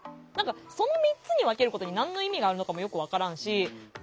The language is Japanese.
その３つに分けることに何の意味があるのかもよく分からんし。